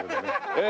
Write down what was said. え